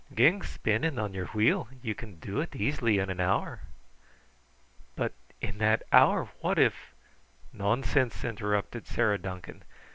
"Gang spinning on your wheel. Ye can do it easy in an hour." "But in that hour, what if ?" "Nonsense!" interrupted Sarah Duncan.